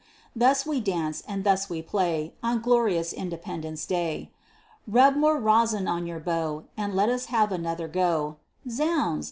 Thus we dance, and thus we play, On glorious independence day. Rub more rosin on your bow, And let us have another go. Zounds!